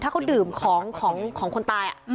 ถ้าเขาดื่มของของคนตาย